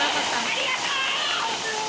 ありがとう！